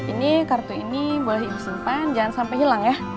ini kartu ini boleh ibu simpan jangan sampai hilang ya